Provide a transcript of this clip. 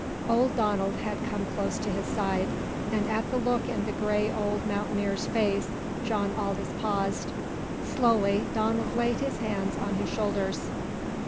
Old Donald had come close to his side, and at the look in the gray old mountaineer's face John Aldous paused. Slowly Donald laid his hands on his shoulders.